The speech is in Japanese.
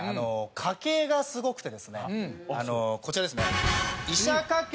家系がすごくてですねこちらですね。